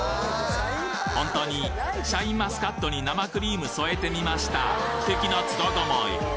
ほんとに「シャインマスカットに生クリーム添えてみました」的な面構え